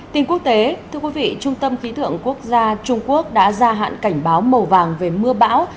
tình quốc tế trung tâm khí thượng quốc gia trung quốc đã ra hạn cảnh báo màu vàng về mưa bão